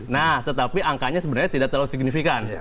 nah tetapi angkanya sebenarnya tidak terlalu signifikan